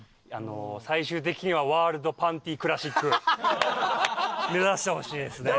最終的にはワールドパンティクラシック目指してほしいですね。